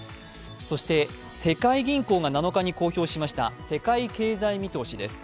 そして、世界銀行が７日に公表しました世界経済見通しです。